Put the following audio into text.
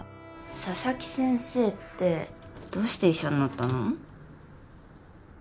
佐々木先生ってどうして医者になったの？